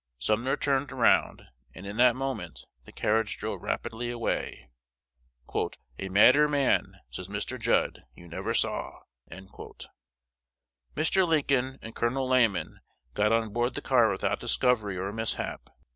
Sumner turned around; and, in that moment, the carriage drove rapidly away. "A madder man," says Mr. Judd, "you never saw." Mr. Lincoln and Col. Lamon got on board the car without discovery or mishap.